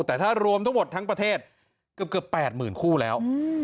แต่ถ้ารวมทั้งหมดทั้งประเทศเกือบ๘๐๐๐คู่แล้ว